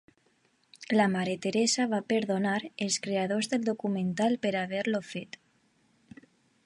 La Mare Teresa "va perdonar" els creadors del documental per haver-lo fet.